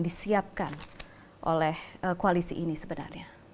disiapkan oleh koalisi ini sebenarnya